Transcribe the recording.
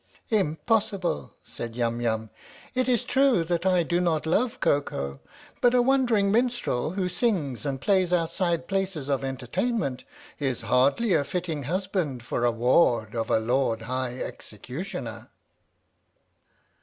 " Impossible," said Yum Yum. " It is true that I do not love Koko, but a wandering minstrel who sings and plays outside places of entertainment is hardly a fitting husband for the ward of a Lord High Executioner."